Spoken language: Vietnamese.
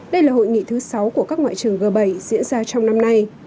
đây là hội nghị thứ sáu của các ngoại trưởng g bảy diễn ra trong năm nay